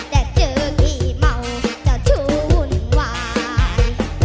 แต่เจอพี่เมาจะชวนวุ่นวาย